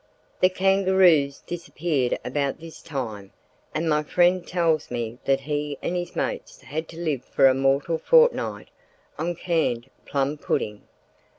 The kangaroos disappeared about this time and my friend tells me that he and his mates had to live for a mortal fortnight on canned plum pudding.